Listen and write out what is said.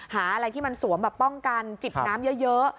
หาอะไรที่มันสวมแบบป้องกันจิบน้ำเยอะ